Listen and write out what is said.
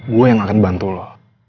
gue yang akan bantu lo